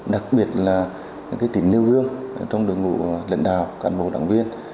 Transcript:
đặc biệt là tính nêu gương trong đồng vụ lãnh đạo cán bộ đảng viên